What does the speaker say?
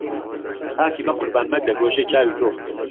پاکی به قوربان، مهگره، گۆشهی چاوی تۆ